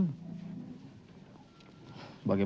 mungkin saja ada hal lain